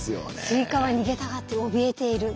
スイカは逃げたがって怯えている。